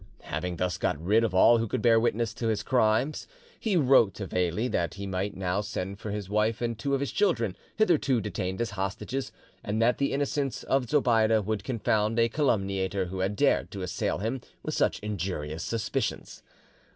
Having thus got rid of all who could bear witness to his crime, he wrote to Veli that he might now send for his wife and two of his children, hitherto detained as hostages, and that the innocence of Zobeide would confound a calumniator who had dared to assail him with such injurious suspicions.